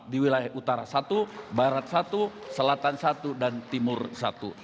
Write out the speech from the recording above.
di wilayah utara satu barat satu selatan satu dan timur satu